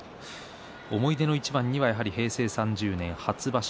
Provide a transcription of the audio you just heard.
思い出の一番にはやはり平成３０年初場所。